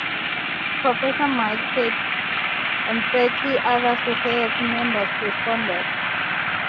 Professor Mark Pepys and thirty other society members responded.